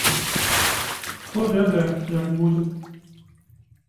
Хто ведае, як будзе?